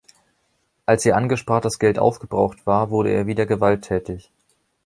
Als ihr angespartes Geld aufgebraucht war, wurde er wieder gewalttätig.